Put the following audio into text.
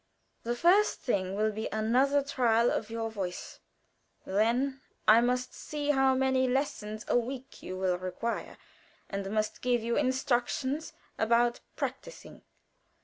The first thing will be another trial of your voice; then I must see how many lessons a week you will require, and must give you instructions about practicing.